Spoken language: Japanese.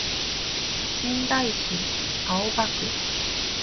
仙台市青葉区